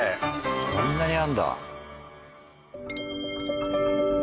こんなにあるんだ。